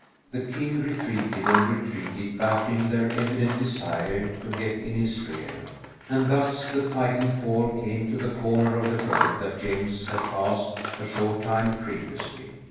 The king retreated and retreated baffling their evident desire to get in his rear, and thus the fighting four came to the corner of the road that James had passed a short time previously.